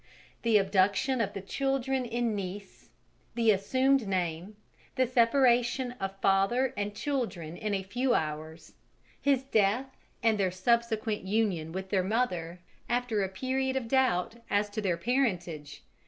the abduction of the children in Nice, the assumed name, the separation of father and children in a few hours, his death and their subsequent union with their mother after a period of doubt as to their parentage!